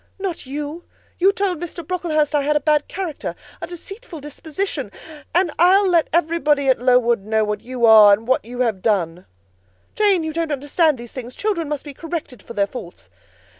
"Not you. You told Mr. Brocklehurst I had a bad character, a deceitful disposition; and I'll let everybody at Lowood know what you are, and what you have done." "Jane, you don't understand these things: children must be corrected for their faults."